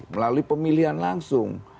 melalui pemilihan langsung